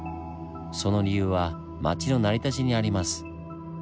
その理由は町の成り立ちにあります。